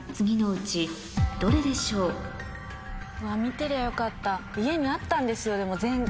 てりゃよかった家にあったんですよ。